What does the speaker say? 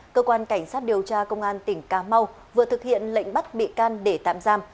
cơ quan cảnh sát điều tra công an tỉnh cà mau vừa thực hiện lệnh bắt bị can để tạm giam